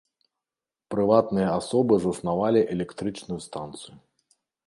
Прыватныя асобы заснавалі электрычную станцыю.